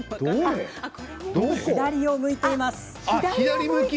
左を向いています。